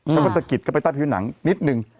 เมื่อก็จะกิดกลับไปใต้ผิวหนังนิดนึง